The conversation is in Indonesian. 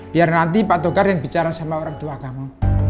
biar nanti pak togar yang bicara sama orang tua kamu